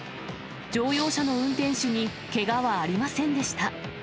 乗用車の運転手にけがはありませんでした。